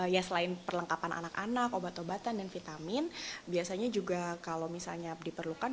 ya selain perlengkapan anak anak obat obatan dan vitamin biasanya juga kalau misalnya diperlukan